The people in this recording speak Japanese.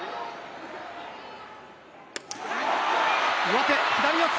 上手左四つ。